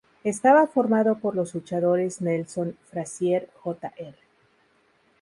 Estaba formado por los luchadores Nelson Frazier, Jr.